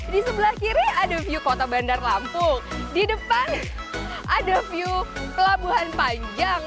di sebelah kiri ada view kota bandar lampung di depan ada view pelabuhan panjang